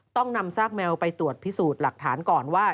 ต้องนำซากแมวไปตรวจพิสูจน์หลักฐานก่อนว่า